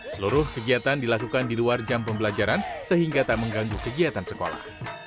seluruh kegiatan dilakukan di luar jam pembelajaran sehingga tak mengganggu kegiatan sekolah